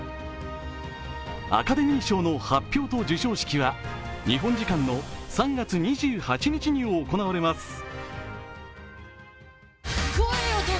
アカデミー賞の発表と授賞式は日本時間の３月２８日に行われます。